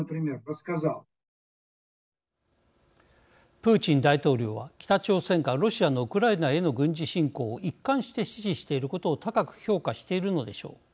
プーチン大統領は北朝鮮がロシアのウクライナへの軍事侵攻を一貫して支持していることを高く評価しているのでしょう。